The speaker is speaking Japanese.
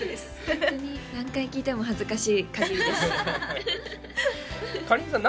ホントに何回聞いても恥ずかしいかぎりですかりんさん